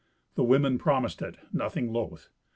The women promised it, nothing loth.